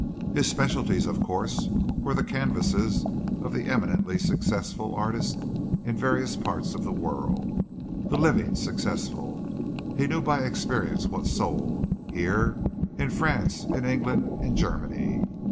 His specialties, of course, were the canvases of the eminently successful artists in various parts of the world the living successful. He knew by experience what sold here, in France, in England, in Germany.